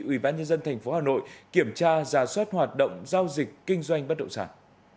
ủy ban nhân dân tp hà nội kiểm tra giả soát hoạt động giao dịch kinh doanh bất động sản